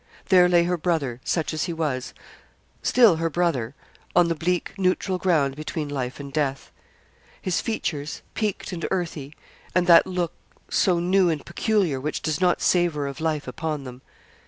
There lay her brother, such as he was still her brother, on the bleak, neutral ground between life and death. His features, peaked and earthy, and that look, so new and peculiar, which does not savour of life upon them.